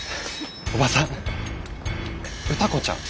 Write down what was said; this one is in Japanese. おばさん歌子ちゃん